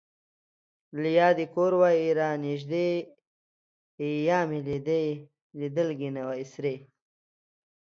لیا دې کور وای را نژدې ـ لیا مې لیدلګې نه وای سرې